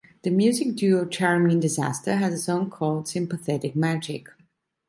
The music duo Charming Disaster has a song called "Sympathetic Magic".